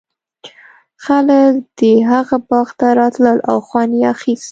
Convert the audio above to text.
خلک د هغه باغ ته راتلل او خوند یې اخیست.